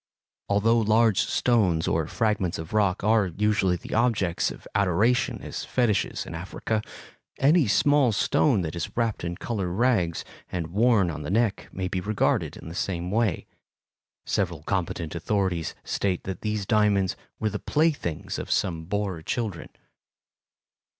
Although large stones or fragments of rock are usually the objects of adoration as fetiches in Africa, any small stone that is wrapped in colored rags and worn on the neck may be regarded in the same way. Several competent authorities state that these diamonds were the playthings of some Boer children.